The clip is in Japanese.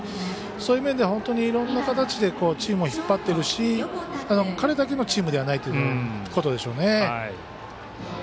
そういう面で本当にいろんな形でチームを引っ張ってるし彼だけのチームではないということでしょうね。